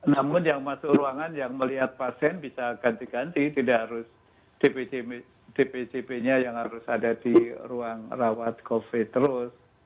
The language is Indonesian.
namun yang masuk ruangan yang melihat pasien bisa ganti ganti tidak harus dpcp nya yang harus ada di ruang rawat covid terus